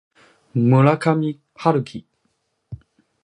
村上春樹